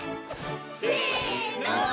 せの。